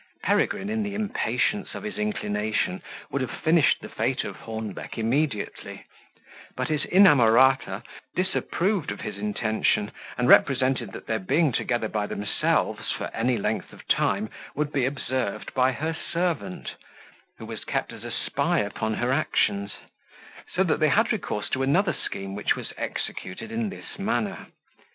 Peregrine, in the impatience of his inclination, would have finished the fate of Hornbeck immediately; but his inamorata disapproved of his intention, and represented that their being together by themselves for any length of time would be observed by her servant, who was kept as a spy upon her actions; so that they had recourse to another scheme which was executed in this manner.